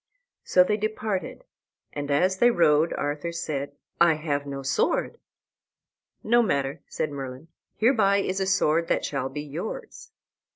So they departed, and as they rode Arthur said, "I have no sword." "No matter," said Merlin; "hereby is a sword that shall be yours."